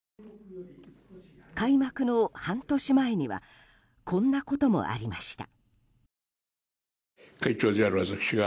開幕の半年前にはこんなこともありました。